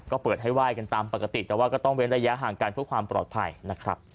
ก็เปิดให้ไหว้กันตามปกติแต่ว่าก็ต้องเว้นระยะห่างกันเพื่อความปลอดภัยนะครับ